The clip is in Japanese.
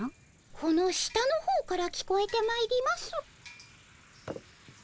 この下のほうから聞こえてまいります。